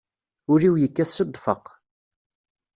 Ul-iw yekkat s ddfeq.